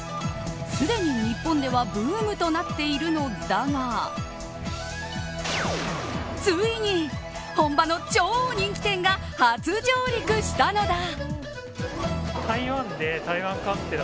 すでに日本ではブームとなっているのだがついに本場の超人気店が初上陸したのだ。